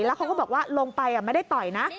แล้วเขาก็บอกว่าลงไปไม่ได้ต่อยนะ